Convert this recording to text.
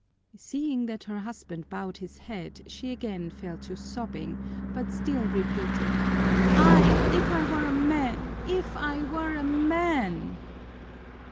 Seeing that her husband bowed his head, she again fell to sobbing, but still repeating, "Ay, if I were a man, if I were a man!"